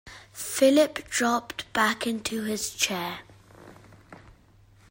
Philip dropped back into his chair.